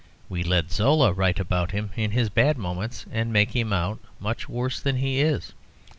We let Zola write about him in his bad moments, and make him out much worse than he is.